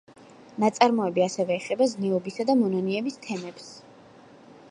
ნაწარმოები ასევე ეხება ზნეობისა და მონანიების თემებს.